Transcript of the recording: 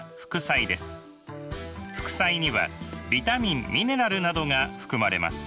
副菜にはビタミンミネラルなどが含まれます。